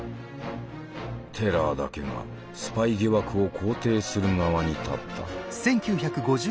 テラーだけがスパイ疑惑を肯定する側に立った。